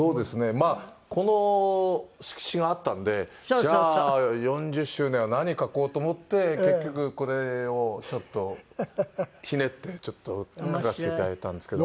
まあこの色紙があったんでじゃあ４０周年は何書こう？と思って結局これをちょっとひねってちょっと書かせていただいたんですけど。